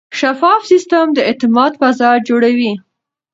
شفاف سیستم د اعتماد فضا جوړوي.